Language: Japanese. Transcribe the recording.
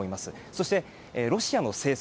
そして、ロシアの制裁